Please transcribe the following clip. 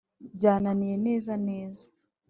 byananiye neza neza